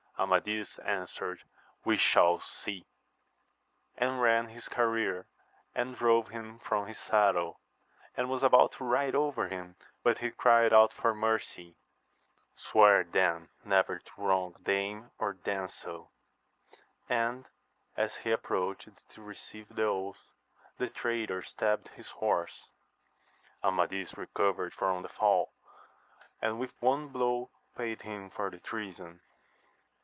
Amadis answered, We shall see ! and ran his career and drove him from his saddle, and was about to ride over him, but he cried out for mercy !— Swear then never to wrong dame or damsel. And, as he approached to receive the oath, the traitor stabbed his horse. Amadis recovered from the fall, and with one blow paid him for the treason.